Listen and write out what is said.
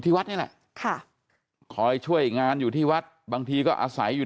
วัดนี่แหละค่ะคอยช่วยงานอยู่ที่วัดบางทีก็อาศัยอยู่